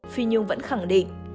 phi nhung vẫn khẳng định